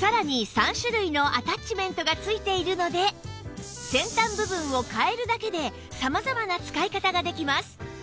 さらに３種類のアタッチメントが付いているので先端部分を替えるだけで様々な使い方ができます